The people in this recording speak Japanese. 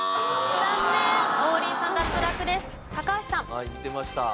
はい見てました。